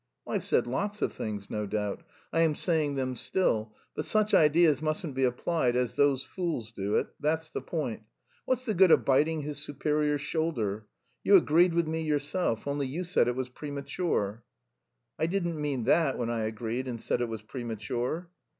"I've said lots of things, no doubt, I am saying them still; but such ideas mustn't be applied as those fools do it, that's the point. What's the good of biting his superior's shoulder! You agreed with me yourself, only you said it was premature." "I didn't mean that when I agreed and said it was premature."